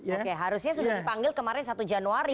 oke harusnya sudah dipanggil kemarin satu januari